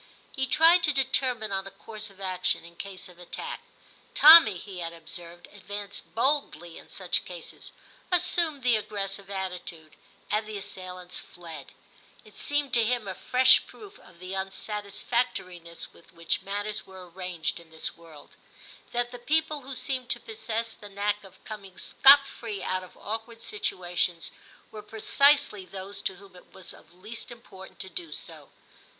He tried to determine on a course of action in case of attack. Tommy, he had observed, advanced boldly in such cases, assumed the aggressive attitude, and the assailants fled ; it seemed to him a fresh proof of the unsatisfactoriness with which matters were arranged in this world, that the people who seemed to possess the knack of coming scot free out of awkward situations were precisely those to whom it was of least importance to do so.